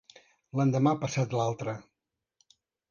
L'endemà passat l'altre.